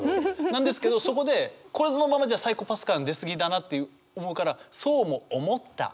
なんですけどそこでこのままじゃサイコパス感出過ぎだなって思うから「そうも思った。